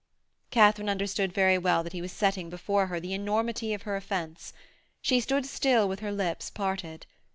Katharine understood very well that he was setting before her the enormity of her offence: she stood still with her lips parted.